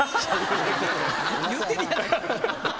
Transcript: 言うてるやないか。